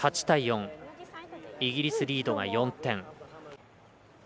８対４、イギリスリードが４点。